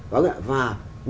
và nâng cao